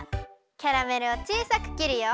キャラメルをちいさくきるよ。